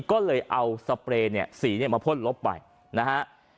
ก็เลยเอาสเปรย์เนี่ยสีเนี่ยมาพ่นลบไปนะฮะ